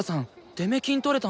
出目金取れたんだ？